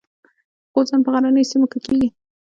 غوزان په غرنیو سیمو کې کیږي.